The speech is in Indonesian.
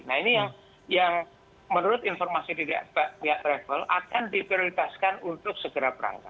nah ini yang menurut informasi dari pihak travel akan diprioritaskan untuk segera berangkat